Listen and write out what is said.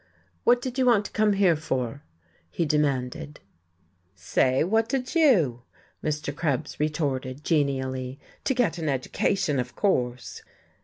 "What did you want to come here for?" he demanded. "Say, what did you?" Mr. Krebs retorted genially. "To get an education, of course."